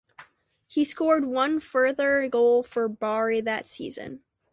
He scored one further goal for Bari that season.